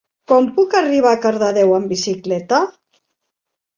Com puc arribar a Cardedeu amb bicicleta?